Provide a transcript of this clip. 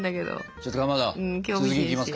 ちょっとかまど続きいきますか？